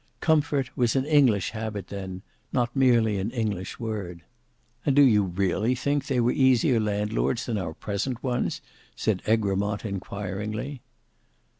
Comfort was an English habit then, not merely an English word." "And do you really think they were easier landlords than our present ones?" said Egremont, inquiringly.